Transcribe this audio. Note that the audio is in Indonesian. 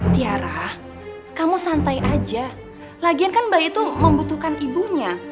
tiara kamu santai aja lagian kan bayi itu membutuhkan ibunya